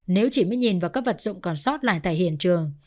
nếu chỉ mới nhìn vào các vật dụng còn sót lại tại hiện trường